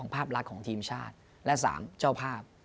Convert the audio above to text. ภาพลักษณ์ของทีมชาติและ๓เจ้าภาพ